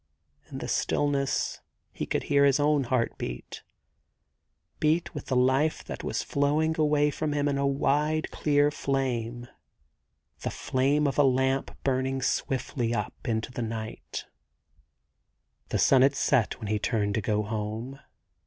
In the stillness he could hear his own heart beat — beat with the life that was flowing away from him in a wide, clear flame, the flame of a lamp burning swiftly up into the night. 98 THE GARDEN GOD The sun had set when he turned to go home.